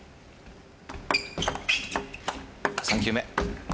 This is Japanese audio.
３球目。